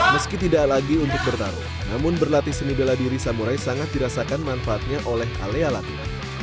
meski tidak lagi untuk bertarung namun berlatih seni bela diri samurai sangat dirasakan manfaatnya oleh alea latin